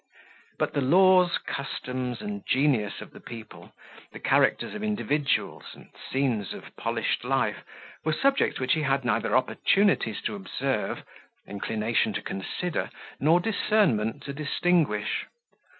But the laws, customs, and genius of the people, the characters of individuals, and scenes of polished life, were subjects which he had neither opportunities to observe, inclination to consider, nor discernment to distinguish.